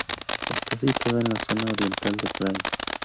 Está situada en la zona oriental del "krai".